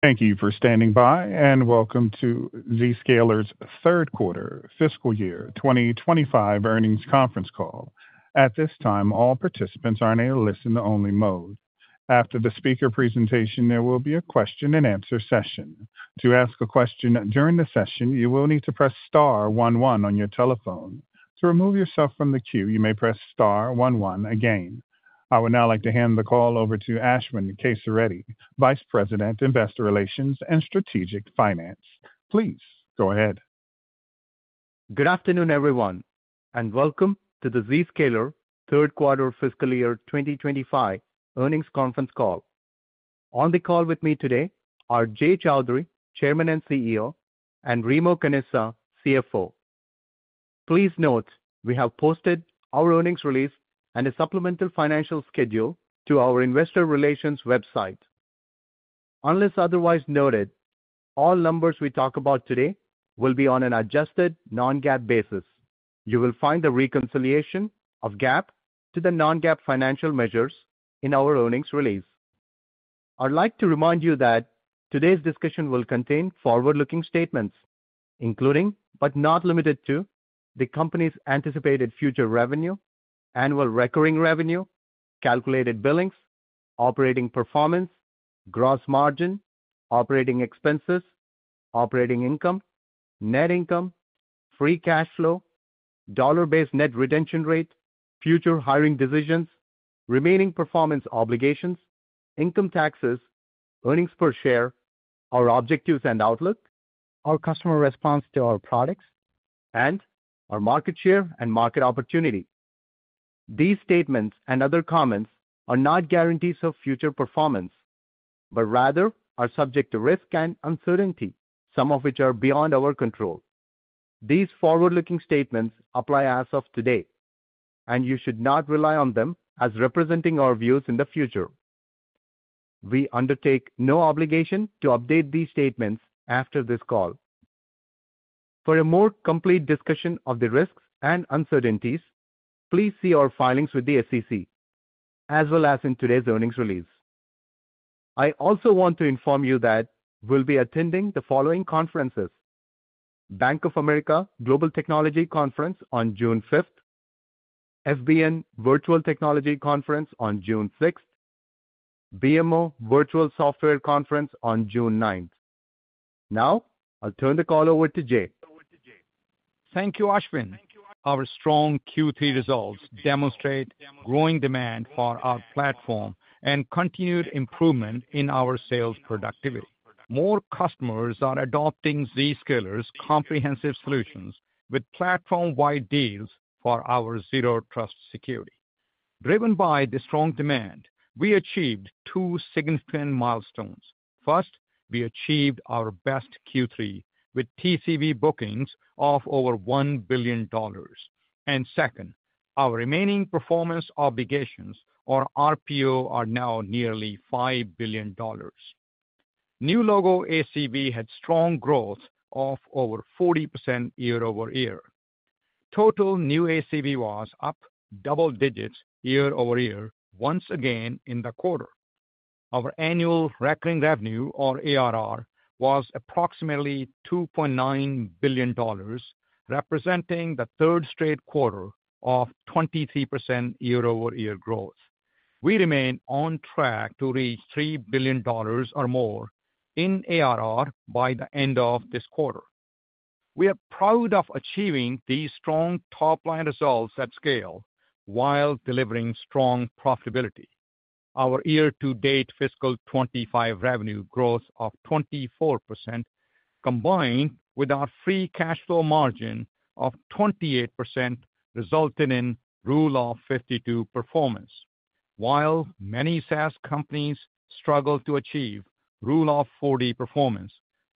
Thank you for standing by, and welcome to Zscaler's Third Quarter, Fiscal Year 2025 Earnings conference call. At this time, all participants are in a listen-only mode. After the speaker presentation, there will be a question-and-answer session. To ask a question during the session, you will need to press star one one on your telephone. To remove yourself from the queue, you may press star one one again. I would now like to hand the call over to Ashwin Kesireddy, Vice President, Investor Relations and Strategic Finance. Please go ahead. Good afternoon, everyone, and welcome to the Zscaler Third Quarter Fiscal Year 2025 Earnings conference call. On the call with me today are Jay Chaudhry, Chairman and CEO, and Remo Canessa, CFO. Please note we have posted our earnings release and a supplemental financial schedule to our investor relations website. Unless otherwise noted, all numbers we talk about today will be on an adjusted non-GAAP basis. You will find the reconciliation of GAAP to the non-GAAP financial measures in our earnings release. I'd like to remind you that today's discussion will contain forward-looking statements, including, but not limited to, the company's anticipated future revenue, annual recurring revenue, calculated billings, operating performance, gross margin, operating expenses, operating income, net income, free cash flow, dollar-based net retention rate, future hiring decisions, remaining performance obligations, income taxes, earnings per share, our objectives and outlook, our customer response to our products, and our market share and market opportunity. These statements and other comments are not guarantees of future performance, but rather are subject to risk and uncertainty, some of which are beyond our control. These forward-looking statements apply as of today, and you should not rely on them as representing our views in the future. We undertake no obligation to update these statements after this call. For a more complete discussion of the risks and uncertainties, please see our filings with the SEC, as well as in today's earnings release. I also want to inform you that we'll be attending the following conferences: Bank of America Global Technology Conference on June 5th, FBN Virtual Technology Conference on June 6th, and BMO Virtual Software Conference on June 9. Now, I'll turn the call over to Jay. Thank you, Ashwin. Our strong Q3 results demonstrate growing demand for our platform and continued improvement in our sales productivity. More customers are adopting Zscaler's comprehensive solutions with platform-wide deals for our Zero Trust security. Driven by the strong demand, we achieved two significant milestones. First, we achieved our best Q3 with TCV bookings of over $1 billion. Second, our remaining performance obligations, or RPO, are now nearly $5 billion. New logo ACV had strong growth of over 40% year-over-year. Total new ACV was up double digits year-over-year once again in the quarter. Our annual recurring revenue, or ARR, was approximately $2.9 billion, representing the third straight quarter of 23% year-over-year growth. We remain on track to reach $3 billion or more in ARR by the end of this quarter. We are proud of achieving these strong top-line results at scale while delivering strong profitability. Our year-to-date fiscal 2025 revenue growth of 24%, combined with our free cash flow margin of 28%, resulted in Rule of 52 performance. While many SaaS companies struggle to achieve Rule of 40 performance,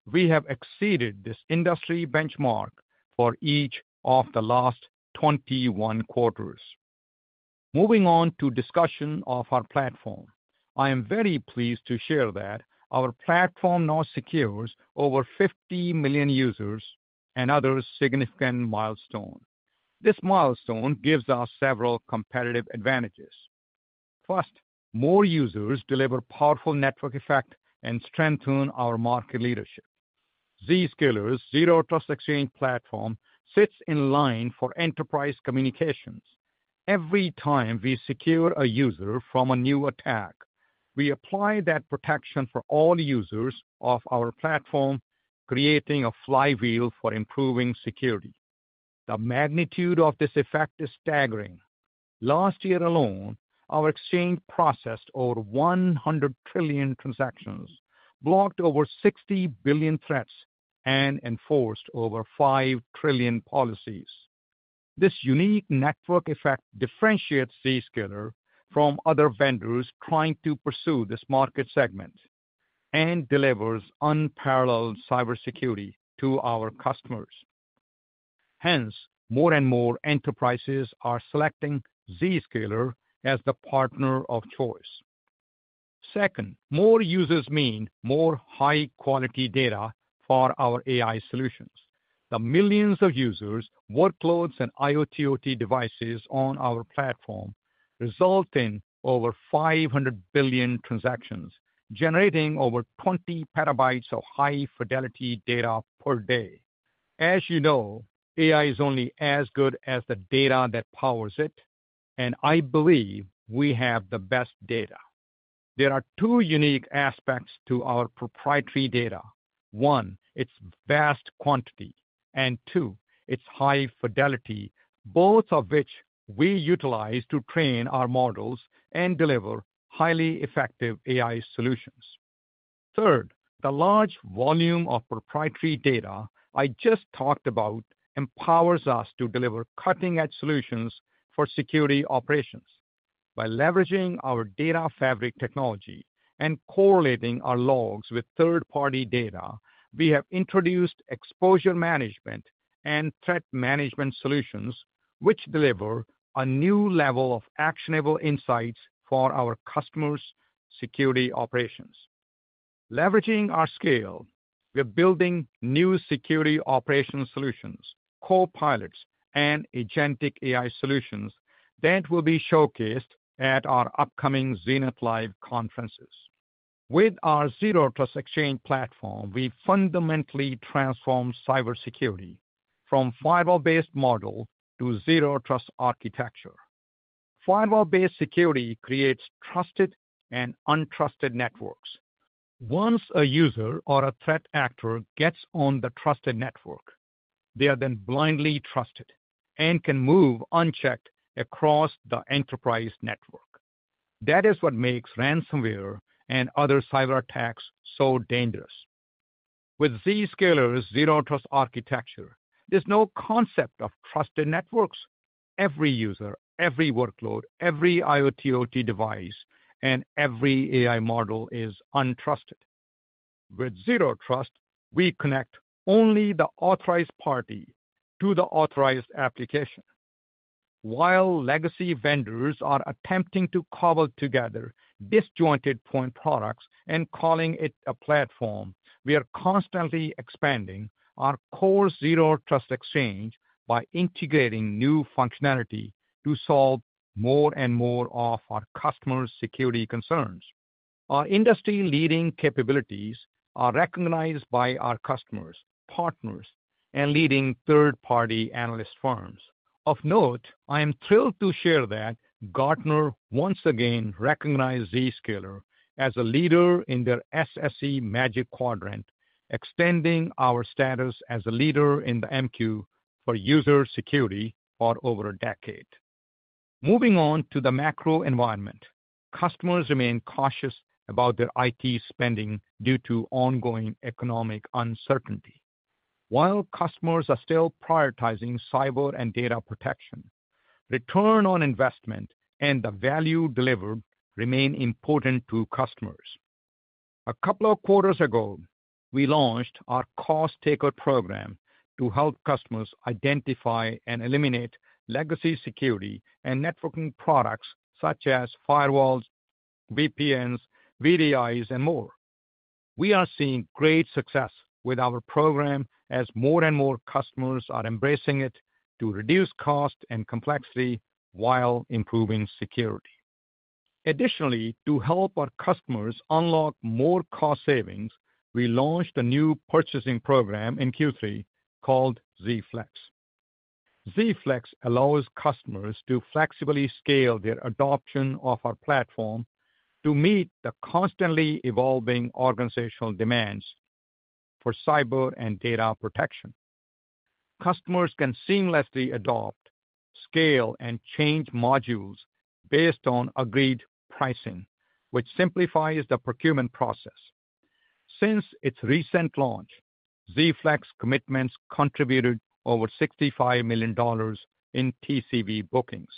we have exceeded this industry benchmark for each of the last 21 quarters. Moving on to discussion of our platform, I am very pleased to share that our platform now secures over 50 million users and other significant milestones. This milestone gives us several competitive advantages. First, more users deliver powerful network effect and strengthen our market leadership. Zscaler's Zero Trust Exchange platform sits in line for enterprise communications. Every time we secure a user from a new attack, we apply that protection for all users of our platform, creating a flywheel for improving security. The magnitude of this effect is staggering. Last year alone, our exchange processed over 100 trillion transactions, blocked over 60 billion threats, and enforced over 5 trillion policies. This unique network effect differentiates Zscaler from other vendors trying to pursue this market segment and delivers unparalleled cybersecurity to our customers. Hence, more and more enterprises are selecting Zscaler as the partner of choice. Second, more users mean more high-quality data for our AI solutions. The millions of users, workloads, and IoT devices on our platform result in over 500 billion transactions, generating over 20 PB of high-fidelity data per day. As you know, AI is only as good as the data that powers it, and I believe we have the best data. There are two unique aspects to our proprietary data. One, its vast quantity, and two, its high fidelity, both of which we utilize to train our models and deliver highly effective AI solutions. Third, the large volume of proprietary data I just talked about empowers us to deliver cutting-edge solutions for security operations. By leveraging our data fabric technology and correlating our logs with third-party data, we have introduced exposure management and threat management solutions, which deliver a new level of actionable insights for our customers' security operations. Leveraging our scale, we're building new security operation solutions, copilots, and agentic AI solutions that will be showcased at our upcoming Zenith Live conferences. With our Zero Trust Exchange platform, we fundamentally transform cybersecurity from firewall-based models to Zero Trust architecture. Firewall-based security creates trusted and untrusted networks. Once a user or a threat actor gets on the trusted network, they are then blindly trusted and can move unchecked across the enterprise network. That is what makes ransomware and other cyberattacks so dangerous. With Zscaler's Zero Trust architecture, there's no concept of trusted networks. Every user, every workload, every IoT/OT device, and every AI model is untrusted. With Zero Trust, we connect only the authorized party to the authorized application. While legacy vendors are attempting to cobble together disjointed point products and calling it a platform, we are constantly expanding our core Zero Trust Exchange by integrating new functionality to solve more and more of our customers' security concerns. Our industry-leading capabilities are recognized by our customers, partners, and leading third-party analyst firms. Of note, I am thrilled to share that Gartner once again recognized Zscaler as a leader in their SSE Magic Quadrant, extending our status as a leader in the MQ for user security for over a decade. Moving on to the macro environment, customers remain cautious about their IT spending due to ongoing economic uncertainty. While customers are still prioritizing cyber and data protection, return on investment and the value delivered remain important to customers. A couple of quarters ago, we launched our cost-taker program to help customers identify and eliminate legacy security and networking products such as firewalls, VPNs, VDIs, and more. We are seeing great success with our program as more and more customers are embracing it to reduce cost and complexity while improving security. Additionally, to help our customers unlock more cost savings, we launched a new purchasing program in Q3 called Z-Flex. Z-Flex allows customers to flexibly scale their adoption of our platform to meet the constantly evolving organizational demands for cyber and data protection. Customers can seamlessly adopt, scale, and change modules based on agreed pricing, which simplifies the procurement process. Since its recent launch, Z-Flex commitments contributed over $65 million in TCV bookings.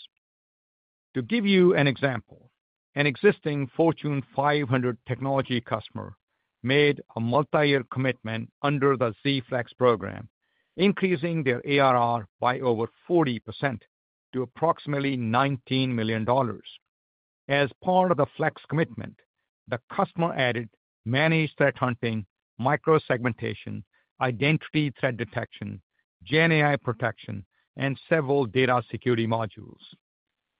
To give you an example, an existing Fortune 500 technology customer made a multi-year commitment under the Z-Flex program, increasing their ARR by over 40% to approximately $19 million. As part of the Flex commitment, the customer added managed threat hunting, micro-segmentation, identity threat detection, Gen AI protection, and several data security modules.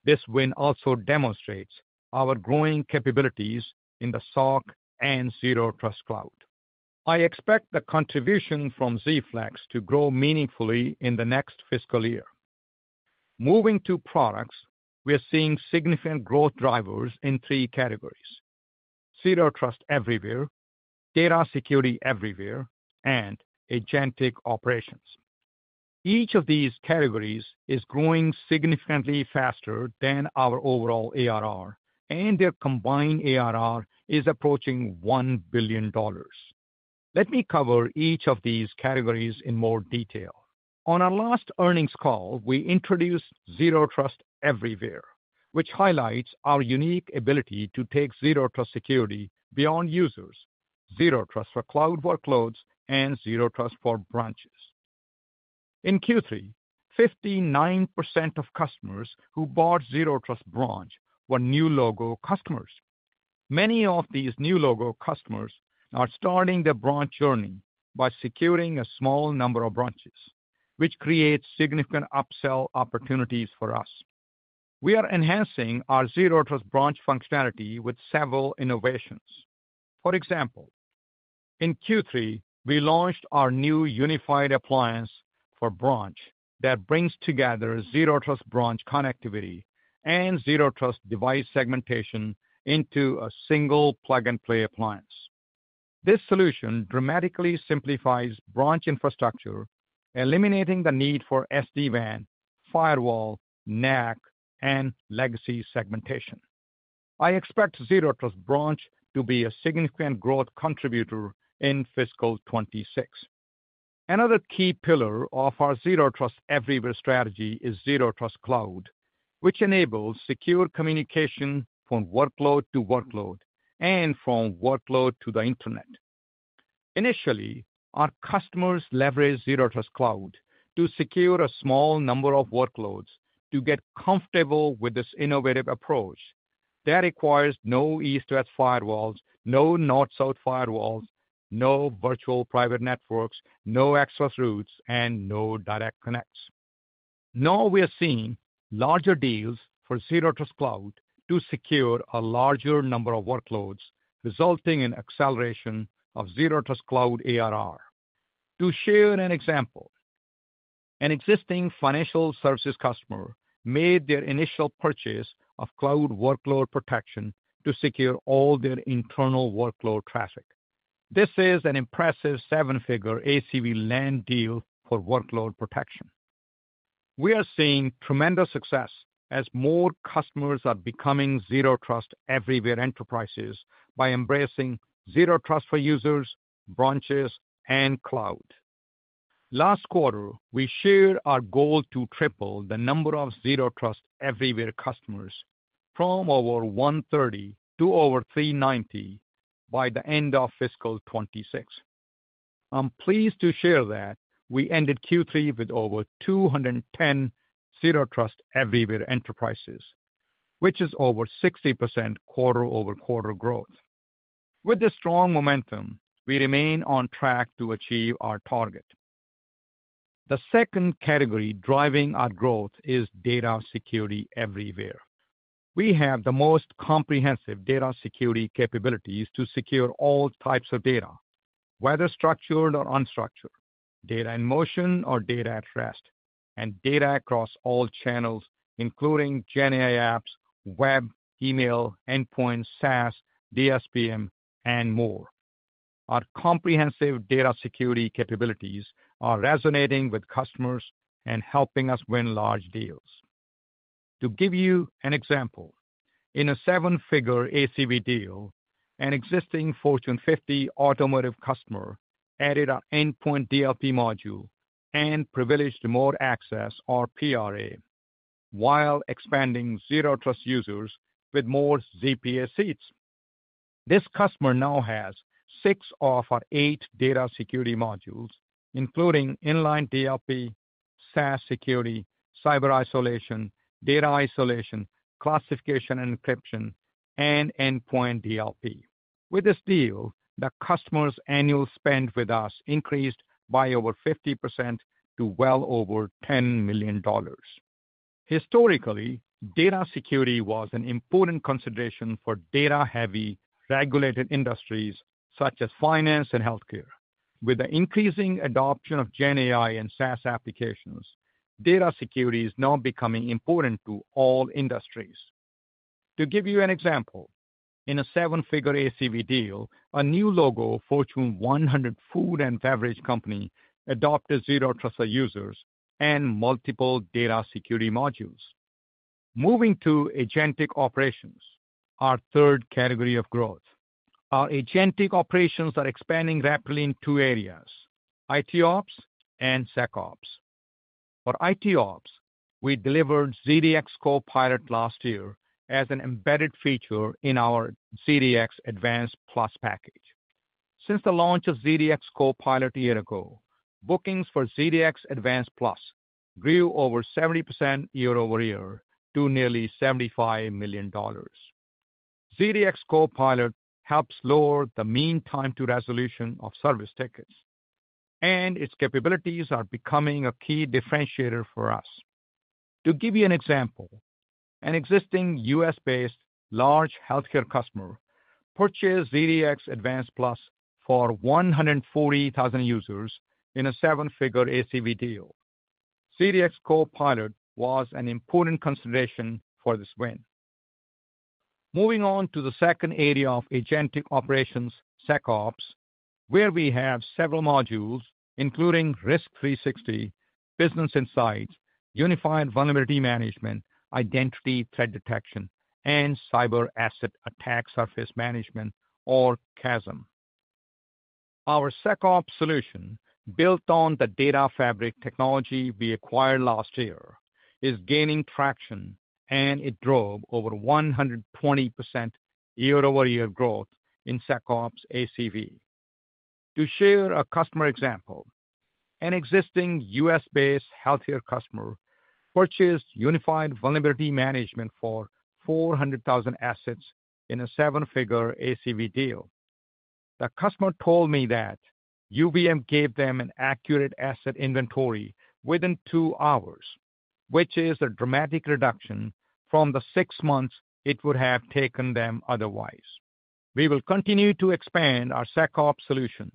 This win also demonstrates our growing capabilities in the SOC and Zero Trust Cloud. I expect the contribution from Z-Flex to grow meaningfully in the next fiscal year. Moving to products, we are seeing significant growth drivers in three categories: Zero Trust Everywhere, Data Security Everywhere, and Agentic Operations. Each of these categories is growing significantly faster than our overall ARR, and their combined ARR is approaching $1 billion. Let me cover each of these categories in more detail. On our last earnings call, we introduced Zero Trust Everywhere, which highlights our unique ability to take Zero Trust security beyond users, Zero Trust for cloud workloads, and Zero Trust for branches. In Q3, 59% of customers who bought Zero Trust branch were new logo customers. Many of these new logo customers are starting their branch journey by securing a small number of branches, which creates significant upsell opportunities for us. We are enhancing our Zero Trust branch functionality with several innovations. For example, in Q3, we launched our new unified appliance for branch that brings together Zero Trust branch connectivity and Zero Trust device segmentation into a single plug-and-play appliance. This solution dramatically simplifies branch infrastructure, eliminating the need for SDVAN, firewall, NAC, and legacy segmentation. I expect Zero Trust branch to be a significant growth contributor in fiscal 2026. Another key pillar of our Zero Trust Everywhere strategy is Zero Trust Cloud, which enables secure communication from workload to workload and from workload to the internet. Initially, our customers leveraged Zero Trust Cloud to secure a small number of workloads to get comfortable with this innovative approach that requires no East-West firewalls, no North-South firewalls, no virtual private networks, no access routes, and no direct connects. Now we are seeing larger deals for Zero Trust Cloud to secure a larger number of workloads, resulting in acceleration of Zero Trust Cloud ARR. To share an example, an existing financial services customer made their initial purchase of cloud workload protection to secure all their internal workload traffic. This is an impressive seven-figure ACV land deal for workload protection. We are seeing tremendous success as more customers are becoming Zero Trust Everywhere enterprises by embracing Zero Trust for users, branches, and cloud. Last quarter, we shared our goal to triple the number of Zero Trust Everywhere customers from over 130 to over 390 by the end of fiscal 2026. I'm pleased to share that we ended Q3 with over 210 Zero Trust Everywhere enterprises, which is over 60% quarter-over-quarter growth. With this strong momentum, we remain on track to achieve our target. The second category driving our growth is Data Security Everywhere. We have the most comprehensive data security capabilities to secure all types of data, whether structured or unstructured, data in motion or data at rest, and data across all channels, including Gen AI apps, web, email, endpoints, SaaS, DSPM, and more. Our comprehensive data security capabilities are resonating with customers and helping us win large deals. To give you an example, in a seven-figure ACV deal, an existing Fortune 50 automotive customer added our endpoint DLP module and privileged remote access, or PRA, while expanding Zero Trust users with more ZPS seats. This customer now has six of our eight data security modules, including inline DLP, SaaS security, cyber isolation, data isolation, classification and encryption, and endpoint DLP. With this deal, the customer's annual spend with us increased by over 50% to well over $10 million. Historically, data security was an important consideration for data-heavy regulated industries such as finance and healthcare. With the increasing adoption of Gen AI and SaaS applications, data security is now becoming important to all industries. To give you an example, in a seven-figure ACV deal, a new logo, Fortune 100 food and beverage company, adopted Zero Trust for users and multiple data security modules. Moving to Agentic Operations, our third category of growth. Our agentic operations are expanding rapidly in two areas: IT ops and SecOps. For IT ops, we delivered ZDX Copilot last year as an embedded feature in our ZDX Advanced Plus package. Since the launch of ZDX Copilot a year ago, bookings for ZDX Advanced Plus grew over 70% year-over-year to nearly $75 million. ZDX Copilot helps lower the mean time to resolution of service tickets, and its capabilities are becoming a key differentiator for us. To give you an example, an existing U.S.-based large healthcare customer purchased ZDX Advanced Plus for 140,000 users in a seven-figure ACV deal. ZDX Copilot was an important consideration for this win. Moving on to the second area of Agentic Operations, SecOps, where we have several modules, including Risk 360, Business Insights, Unified Vulnerability Management, Identity Threat Detection, and Cyber Asset Attack Surface Management, or CAASM. Our SecOps solution, built on the data fabric technology we acquired last year, is gaining traction, and it drove over 120% year-over-year growth in SecOps ACV. To share a customer example, an existing U.S.-based healthcare customer purchased Unified Vulnerability Management for 400,000 assets in a seven-figure ACV deal. The customer told me that UVM gave them an accurate asset inventory within two hours, which is a dramatic reduction from the six months it would have taken them otherwise. We will continue to expand our SecOps solution.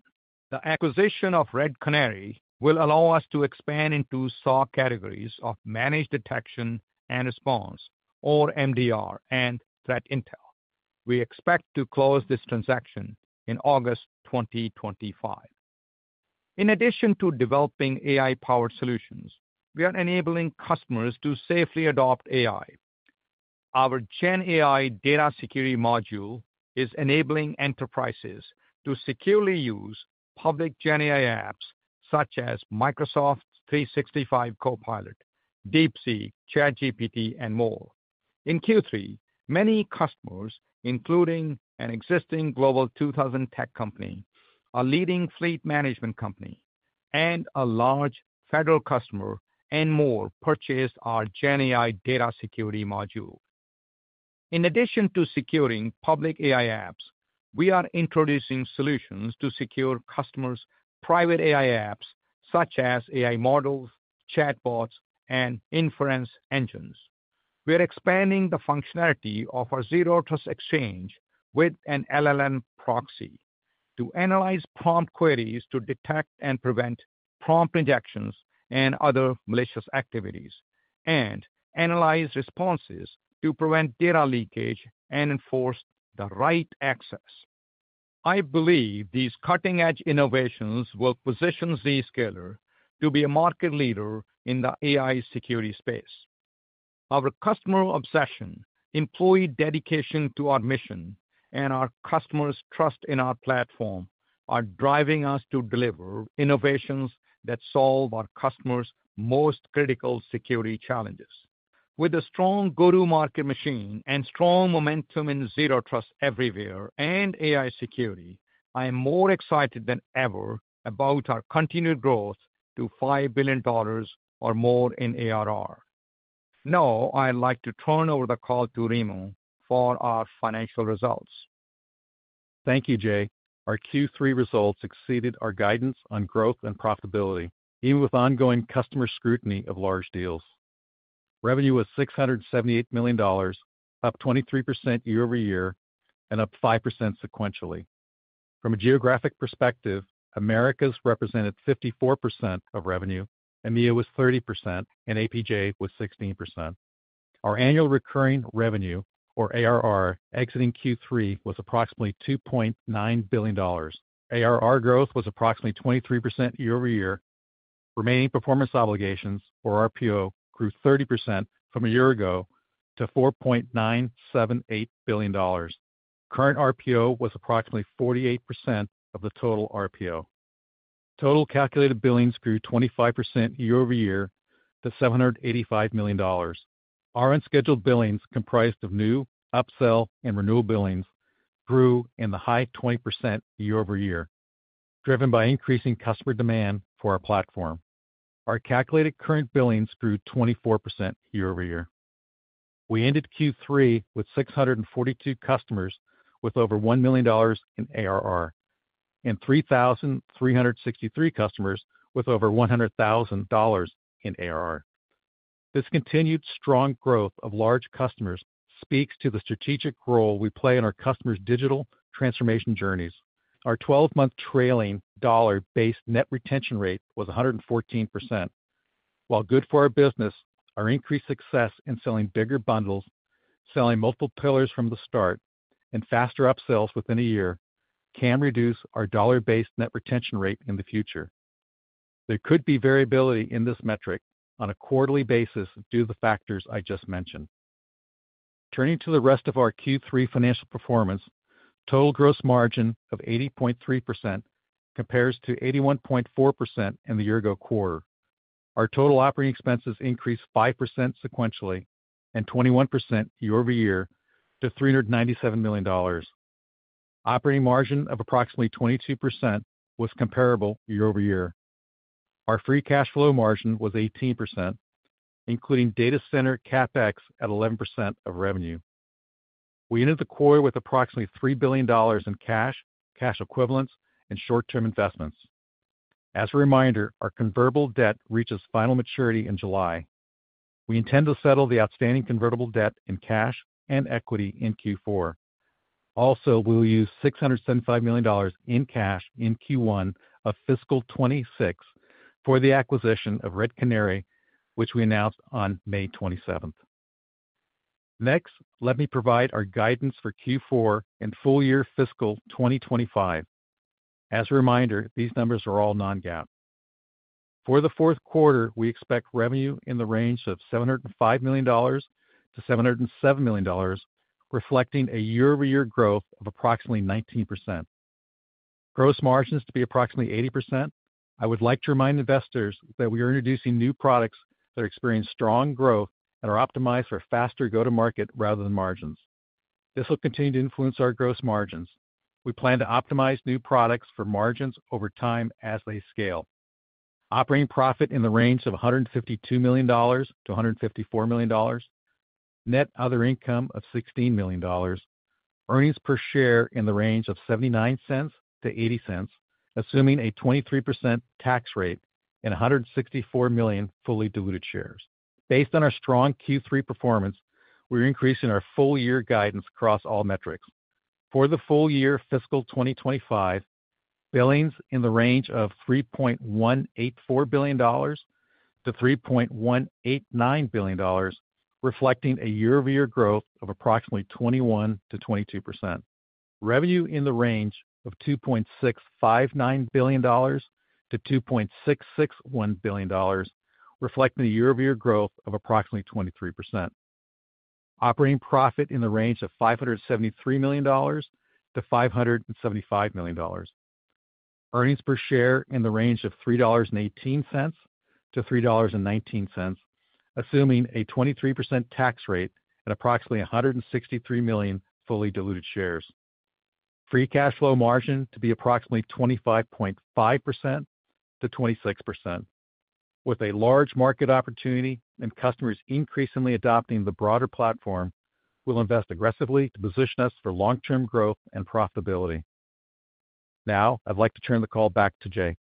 The acquisition of Red Canary will allow us to expand into SOC categories of Managed Detection and Response, or MDR, and Threat Intel. We expect to close this transaction in August 2025. In addition to developing AI-powered solutions, we are enabling customers to safely adopt AI. Our Gen AI data security module is enabling enterprises to securely use public Gen AI apps such as Microsoft 365 Copilot, DeepSeek, ChatGPT, and more. In Q3, many customers, including an existing Global 2000 Tech Company, a leading fleet management company, and a large federal customer, and more, purchased our Gen AI data security module. In addition to securing public AI apps, we are introducing solutions to secure customers' private AI apps such as AI models, chatbots, and inference engines. We are expanding the functionality of our Zero Trust Exchange with an LLM proxy to analyze prompt queries to detect and prevent prompt injections and other malicious activities, and analyze responses to prevent data leakage and enforce the right access. I believe these cutting-edge innovations will position Zscaler to be a market leader in the AI security space. Our customer obsession, employee dedication to our mission, and our customers' trust in our platform are driving us to deliver innovations that solve our customers' most critical security challenges. With a strong go-to-market machine and strong momentum in Zero Trust Everywhere and AI security, I am more excited than ever about our continued growth to $5 billion or more in ARR. Now, I'd like to turn over the call to Remo for our financial results. Thank you, Jay. Our Q3 results exceeded our guidance on growth and profitability, even with ongoing customer scrutiny of large deals. Revenue was $678 million, up 23% year-over-year and up 5% sequentially. From a geographic perspective, Americas represented 54% of revenue, EMEA was 30%, and APJ was 16%. Our annual recurring revenue, or ARR, exiting Q3 was approximately $2.9 billion. ARR growth was approximately 23% year-over-year. Remaining performance obligations, or RPO, grew 30% from a year ago to $4.978 billion. The current RPO was approximately 48% of the total RPO. Total calculated billings grew 25% year-over-year to $785 million. Our unscheduled billings, comprised of new, upsell, and renewal billings, grew in the high 20% year-over-year, driven by increasing customer demand for our platform. Our calculated current billings grew 24% year-over-year. We ended Q3 with 642 customers with over $1 million in ARR and 3,363 customers with over $100,000 in ARR. This continued strong growth of large customers speaks to the strategic role we play in our customers' digital transformation journeys. Our 12-month trailing dollar-based net retention rate was 114%. While good for our business, our increased success in selling bigger bundles, selling multiple pillars from the start, and faster upsells within a year can reduce our dollar-based net retention rate in the future. There could be variability in this metric on a quarterly basis due to the factors I just mentioned. Turning to the rest of our Q3 financial performance, total gross margin of 80.3% compares to 81.4% in the year-ago quarter. Our total operating expenses increased 5% sequentially and 21% year-over-year to $397 million. Operating margin of approximately 22% was comparable year-over-year. Our free cash flow margin was 18%, including data center CapEx at 11% of revenue. We ended the quarter with approximately $3 billion in cash, cash equivalents, and short-term investments. As a reminder, our convertible debt reaches final maturity in July. We intend to settle the outstanding convertible debt in cash and equity in Q4. Also, we will use $675 million in cash in Q1 of fiscal 2026 for the acquisition of Red Canary, which we announced on May 27th. Next, let me provide our guidance for Q4 and full year fiscal 2025. As a reminder, these numbers are all non-GAAP. For the fourth quarter, we expect revenue in the range of $705 million-$707 million, reflecting a year-over-year growth of approximately 19%. Gross margin is to be approximately 80%. I would like to remind investors that we are introducing new products that experience strong growth and are optimized for faster go-to-market rather than margins. This will continue to influence our gross margins. We plan to optimize new products for margins over time as they scale. Operating profit in the range of $152 million-$154 million, net other income of $16 million, earnings per share in the range of $0.79-$0.80, assuming a 23% tax rate and 164 million fully diluted shares. Based on our strong Q3 performance, we're increasing our full year guidance across all metrics. For the full year fiscal 2025, billings in the range of $3.184 billion-$3.189 billion, reflecting a year-over-year growth of approximately 21%-22%. Revenue in the range of $2.659 billion-$2.661 billion, reflecting a year-over-year growth of approximately 23%. Operating profit in the range of $573 million-$575 million. Earnings per share in the range of $3.18-$3.19, assuming a 23% tax rate at approximately 163 million fully diluted shares. Free cash flow margin to be approximately 25.5%-26%. With a large market opportunity and customers increasingly adopting the broader platform, we'll invest aggressively to position us for long-term growth and profitability. Now, I'd like to turn the call back to Jay.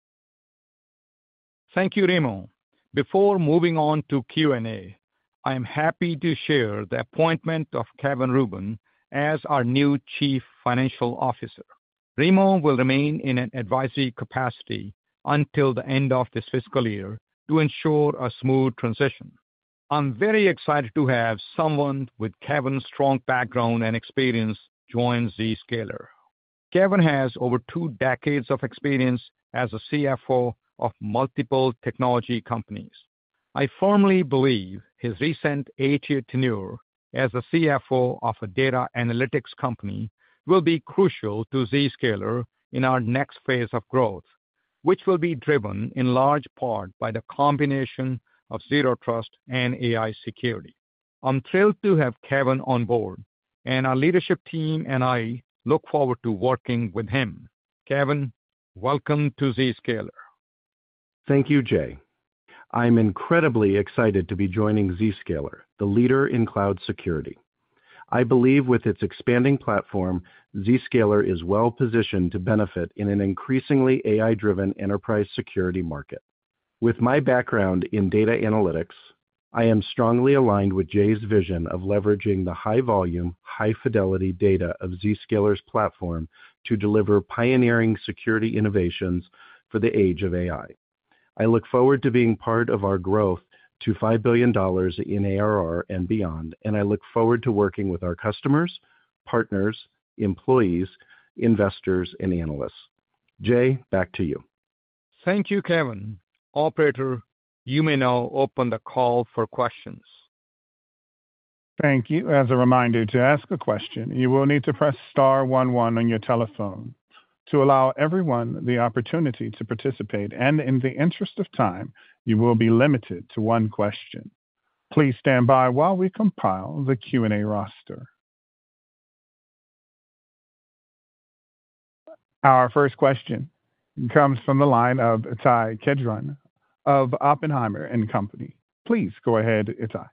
Thank you, Remo. Before moving on to Q&A, I am happy to share the appointment of Kevin Rubin as our new Chief Financial Officer. Remo will remain in an advisory capacity until the end of this fiscal year to ensure a smooth transition. I'm very excited to have someone with Kevin's strong background and experience join Zscaler. Kevin has over two decades of experience as a CFO of multiple technology companies. I firmly believe his recent eight-year tenure as a CFO of a data analytics company will be crucial to Zscaler in our next phase of growth, which will be driven in large part by the combination of Zero Trust and AI security. I'm thrilled to have Kevin on board, and our leadership team and I look forward to working with him. Kevin, welcome to Zscaler. Thank you, Jay. I'm incredibly excited to be joining Zscaler, the leader in cloud security. I believe with its expanding platform, Zscaler is well-positioned to benefit in an increasingly AI-driven enterprise security market. With my background in data analytics, I am strongly aligned with Jay's vision of leveraging the high-volume, high-fidelity data of Zscaler's platform to deliver pioneering security innovations for the age of AI. I look forward to being part of our growth to $5 billion in ARR and beyond, and I look forward to working with our customers, partners, employees, investors, and analysts. Jay, back to you. Thank you, Kevin. Operator, you may now open the call for questions. Thank you. As a reminder, to ask a question, you will need to press star one one on your telephone to allow everyone the opportunity to participate. In the interest of time, you will be limited to one question. Please stand by while we compile the Q&A roster. Our first question comes from the line of Ittai Kidron of Oppenheimer & Co. Please go ahead, Ittai.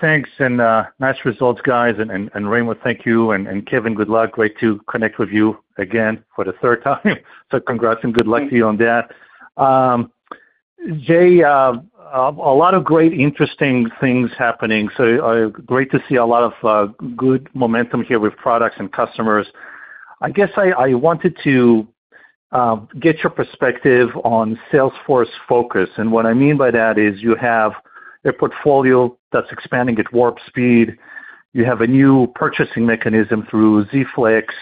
Thanks, and nice results, guys. Remo, thank you. Kevin, good luck. Great to connect with you again for the third time. Congrats and good luck to you on that. Jay, a lot of great, interesting things happening. Great to see a lot of good momentum here with products and customers. I guess I wanted to get your perspective on salesforce focus. What I mean by that is you have a portfolio that's expanding at warp speed. You have a new purchasing mechanism through Z-Flex.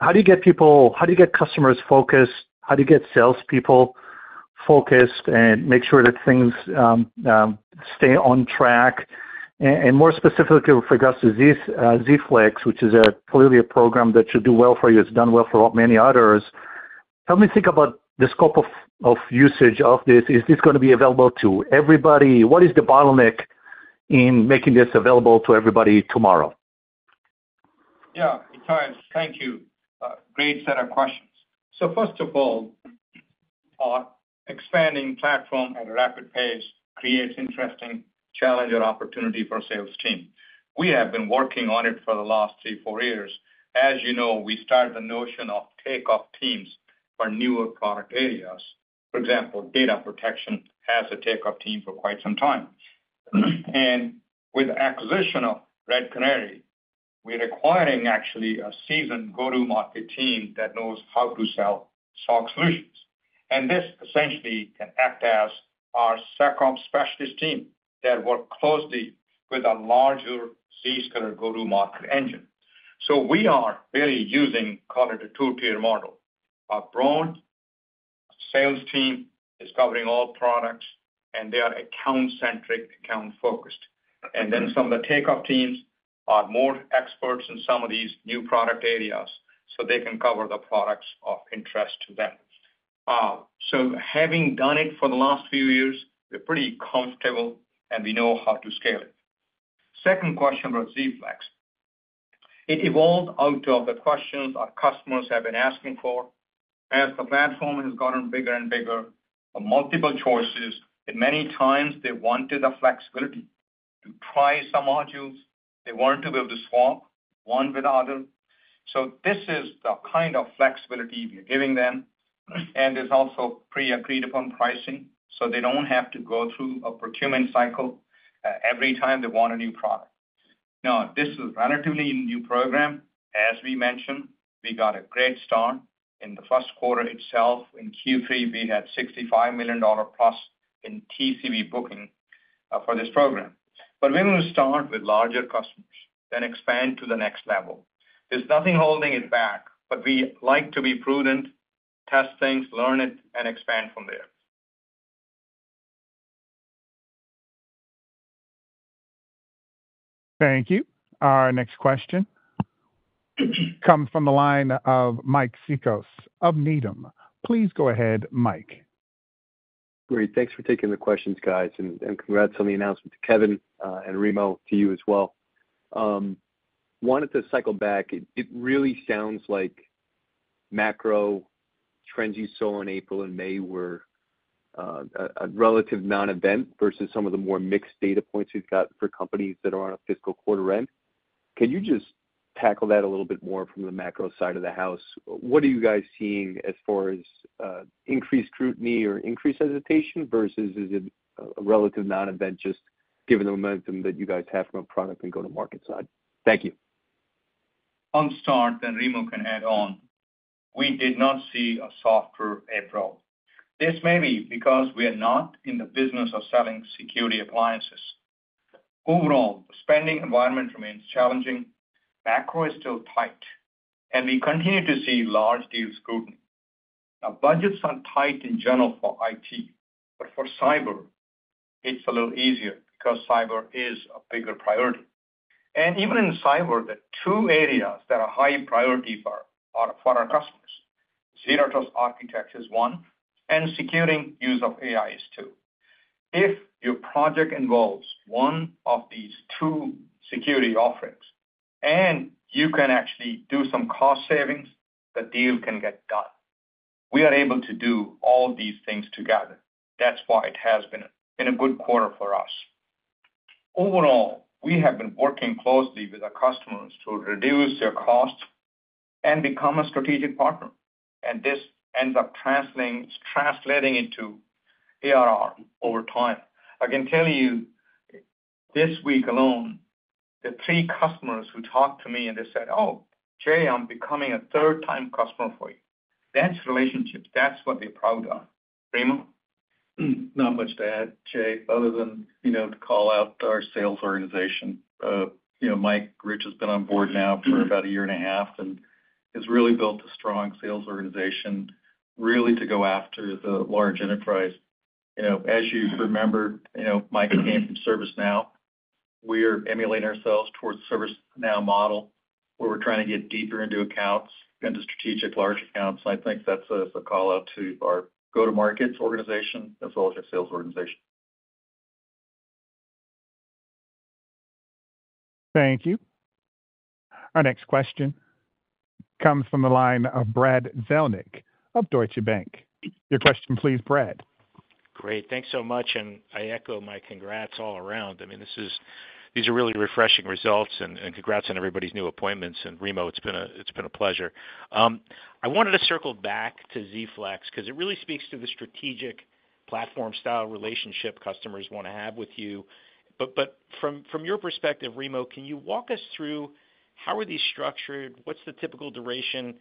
How do you get people? How do you get customers focused? How do you get salespeople focused and make sure that things stay on track? More specifically for us, Z-Flex, which is clearly a program that should do well for you, has done well for many others. Help me think about the scope of usage of this. Is this going to be available to everybody? What is the bottleneck in making this available to everybody tomorrow? Yeah, it's time. Thank you. Great set of questions. First of all, expanding platform at a rapid pace creates interesting challenge or opportunity for a sales team. We have been working on it for the last three, four years. As you know, we start the notion of takeoff teams for newer product areas. For example, data protection has a takeoff team for quite some time. With the acquisition of Red Canary, we're acquiring actually a seasoned go-to-market team that knows how to sell so solutions. This essentially can act as our SecOps specialist team that works closely with a larger Zscaler go-to-market engine. We are really using a two-tier model. Our broad sales team is covering all products, and they are account-centric, account-focused. Some of the takeoff teams are more experts in some of these new product areas so they can cover the products of interest to them. Having done it for the last few years, we're pretty comfortable, and we know how to scale it. Second question about Z-Flex. It evolved out of the questions our customers have been asking for. As the platform has gotten bigger and bigger, multiple choices, and many times they wanted the flexibility to try some modules. They wanted to be able to swap one with the other. This is the kind of flexibility we're giving them. There's also pre-agreed-upon pricing so they don't have to go through a procurement cycle every time they want a new product. Now, this is a relatively new program. As we mentioned, we got a great start in the first quarter itself. In Q3, we had $65+ million in TCV booking for this program. We're going to start with larger customers and expand to the next level. There's nothing holding it back, but we like to be prudent, test things, learn it, and expand from there. Thank you. Our next question comes from the line of Mike Cikos of Needham. Please go ahead, Mike. Great. Thanks for taking the questions, guys. And congrats on the announcement to Kevin and Remo to you as well. Wanted to cycle back. It really sounds like macro trends you saw in April and May were a relative non-event versus some of the more mixed data points we've got for companies that are on a fiscal quarter end. Can you just tackle that a little bit more from the macro side of the house? What are you guys seeing as far as increased scrutiny or increased hesitation versus is it a relative non-event just given the momentum that you guys have from a product and go-to-market side? Thank you. I'll start, then Remo can add on. We did not see a softer April. This may be because we are not in the business of selling security appliances. Overall, the spending environment remains challenging. Macro is still tight, and we continue to see large deal scrutiny. Now, budgets are tight in general for IT, but for cyber, it's a little easier because cyber is a bigger priority. And even in cyber, the two areas that are high priority for our customers, Zero Trust architecture is one, and securing use of AI is two. If your project involves one of these two security offerings and you can actually do some cost savings, the deal can get done. We are able to do all these things together. That's why it has been a good quarter for us. Overall, we have been working closely with our customers to reduce their costs and become a strategic partner. This ends up translating into ARR over time. I can tell you this week alone, the three customers who talked to me and they said, "Oh, Jay, I'm becoming a third-time customer for you." That's relationships. That's what they're proud of. Remo? Not much to add, Jay, other than to call out our sales organization. Mike Rich has been on board now for about a year and a half and has really built a strong sales organization, really to go after the large enterprise. As you remember, Mike came from ServiceNow. We are emulating ourselves towards the ServiceNow model where we're trying to get deeper into accounts and to strategic large accounts. I think that's a call out to our go-to-markets organization as well as our sales organization. Thank you. Our next question comes from the line of Brad Zelnick of Deutsche Bank. Your question, please, Brad. Great. Thanks so much. I echo my congrats all around. I mean, these are really refreshing results. And congrats on everybody's new appointments. And Remo, it's been a pleasure. I wanted to circle back to Z-Flex because it really speaks to the strategic platform-style relationship customers want to have with you. But from your perspective, Remo, can you walk us through how are these structured? What's the typical duration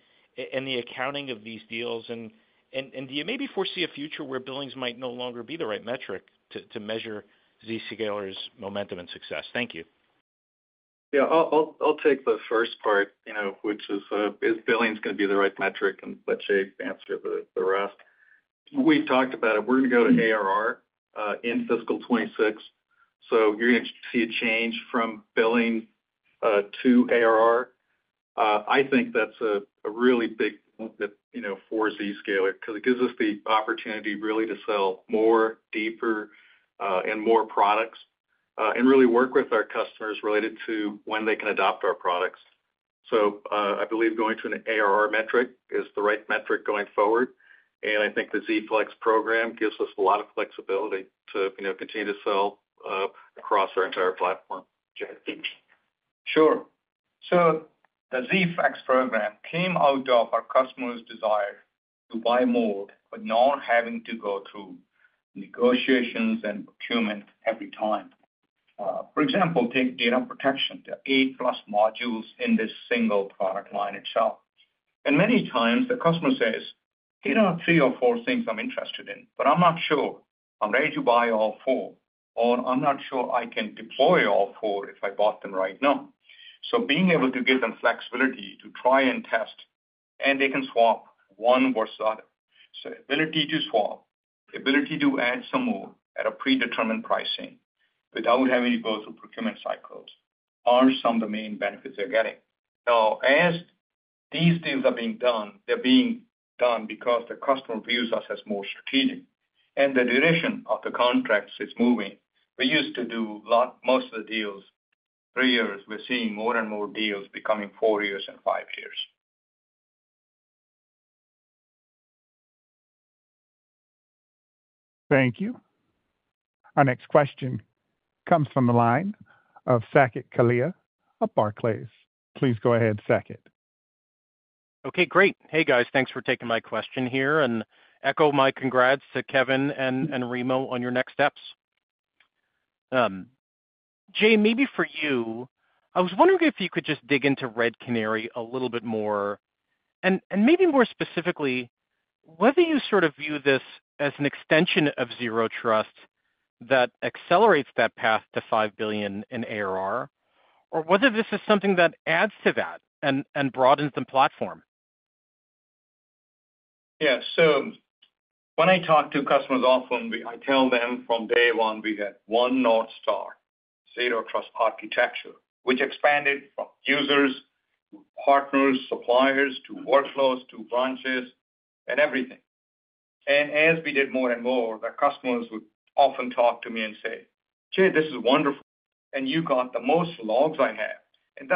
and the accounting of these deals? And do you maybe foresee a future where billings might no longer be the right metric to measure Zscaler's momentum and success? Thank you. Yeah, I'll take the first part, which is, is billings going to be the right metric? And let Jay answer the rest. We talked about it. We're going to go to ARR in fiscal 2026. So you're going to see a change from billing to ARR. I think that's really big for Zscaler because it gives us the opportunity really to sell more, deeper, and more products and really work with our customers related to when they can adopt our products. I believe going to an ARR metric is the right metric going forward. I think the Z-Flex program gives us a lot of flexibility to continue to sell across our entire platform. Sure. The Z-Flex program came out of our customers' desire to buy more but not having to go through negotiations and procurement every time. For example, take data protection. There are 8+ modules in this single product line itself. Many times the customer says, "Here are three or four things I'm interested in, but I'm not sure. I'm ready to buy all four," or, "I'm not sure I can deploy all four if I bought them right now." Being able to give them flexibility to try and test, and they can swap one versus the other. Ability to swap, ability to add some more at a predetermined pricing without having to go through procurement cycles are some of the main benefits they're getting. Now, as these deals are being done, they're being done because the customer views us as more strategic. The duration of the contracts is moving. We used to do most of the deals three years. We're seeing more and more deals becoming four years and five years. Thank you. Our next question comes from the line of Saket Kalia of Barclays. Please go ahead, Sacket. Okay, great. Hey, guys, thanks for taking my question here. Echo my congrats to Kevin and Remo on your next steps. Jay, maybe for you, I was wondering if you could just dig into Red Canary a little bit more. Maybe more specifically, whether you sort of view this as an extension of Zero Trust that accelerates that path to $5 billion in ARR, or whether this is something that adds to that and broadens the platform. Yeah. When I talk to customers often, I tell them from day one, we had one North Star, Zero Trust Architecture, which expanded from users to partners, suppliers to workloads to branches and everything. As we did more and more, the customers would often talk to me and say, "Jay, this is wonderful. You got the most logs I have.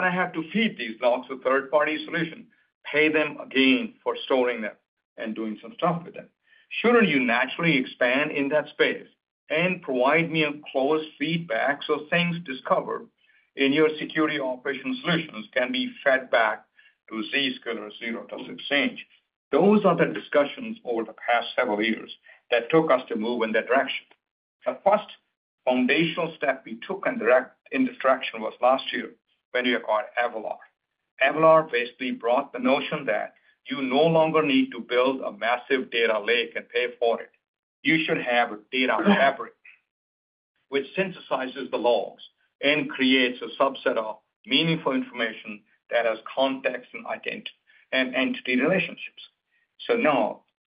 I have to feed these logs with third-party solutions, pay them again for storing them and doing some stuff with them. Shouldn't you naturally expand in that space and provide me a closed feedback so things discovered in your security operation solutions can be fed back to Zscaler Zero Trust Exchange?" Those are the discussions over the past several years that took us to move in that direction. The first foundational step we took in this direction was last year when we acquired Avalor. Avalor basically brought the notion that you no longer need to build a massive data lake and pay for it. You should have a data library which synthesizes the logs and creates a subset of meaningful information that has context and entity relationships.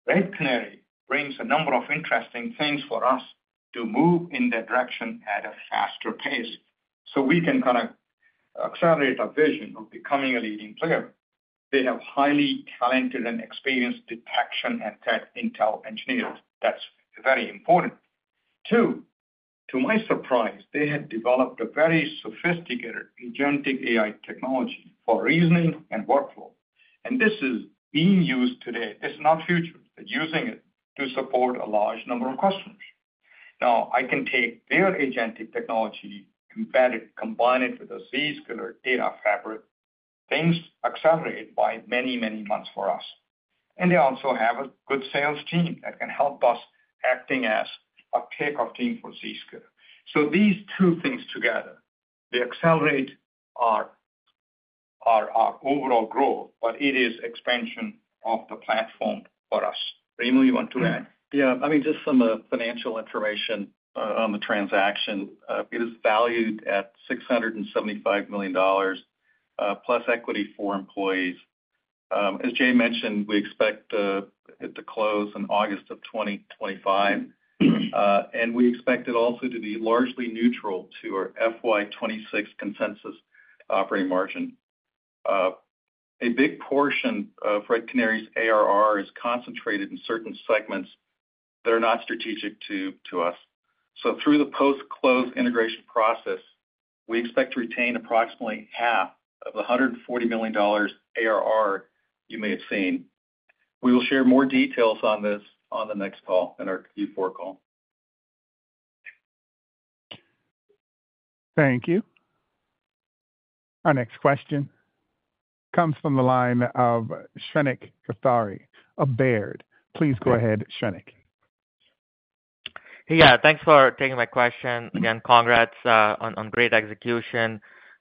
Red Canary brings a number of interesting things for us to move in that direction at a faster pace so we can kind of accelerate our vision of becoming a leading player. They have highly talented and experienced detection and threat intel engineers. That's very important. Two, to my surprise, they had developed a very sophisticated agentic AI technology for reasoning and workflow. And this is being used today. It's not future. They're using it to support a large number of customers. Now, I can take their agentic technology, combine it with a Zscaler data fabric. Things accelerate by many, many months for us. They also have a good sales team that can help us acting as a takeoff team for Zscaler. These two things together, they accelerate our overall growth, but it is expansion of the platform for us. Remo, you want to add? Yeah. I mean, just some financial information on the transaction. It is valued at $675 million plus equity for employees. As Jay mentioned, we expect it to close in August of 2025. We expect it also to be largely neutral to our FY26 consensus operating margin. A big portion of Red Canary's ARR is concentrated in certain segments that are not strategic to us. Through the post-close integration process, we expect to retain approximately half of the $140 million ARR you may have seen. We will share more details on this on the next call and our Q4 call. Thank you. Our next question comes from the line of Shrenik Kothari, of Baird. Please go ahead, Srenek. Yeah. Thanks for taking my question. Again, congrats on great execution.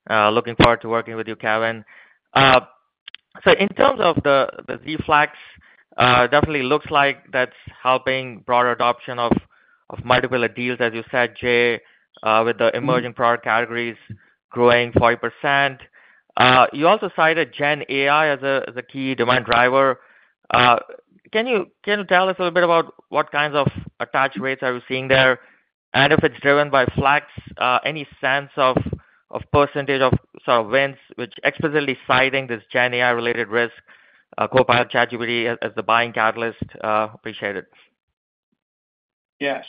Looking forward to working with you, Kevin. In terms of the Z-Flex, definitely looks like that's helping broader adoption of multiple deals, as you said, Jay, with the emerging product categories growing 40%. You also cited Gen AI as a key demand driver. Can you tell us a little bit about what kinds of attached rates are we seeing there? If it's driven by Flex, any sense of percentage of sort of wins which explicitly citing this Gen AI-related risk, Copilot, ChatGPT as the buying catalyst? Appreciate it. Yes.